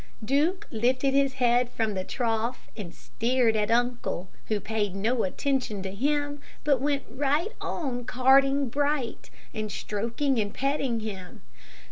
Duke lifted his head from the trough, and stared at uncle, who paid no attention to him but went on carding Bright, and stroking and petting him.